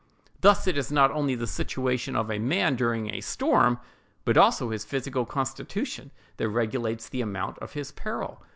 Thus it is not only the situation of a man, during a storm, but also his physical constitution, that regulates the amount of his peril.